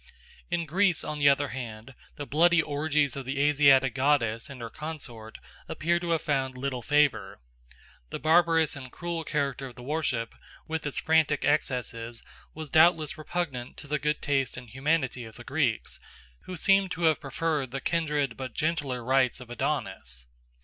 In Greece, on the other hand, the bloody orgies of the Asiatic goddess and her consort appear to have found little favour. The barbarous and cruel character of the worship, with its frantic excesses, was doubtless repugnant to the good taste and humanity of the Greeks, who seem to have preferred the kindred but gentler rites of Adonis.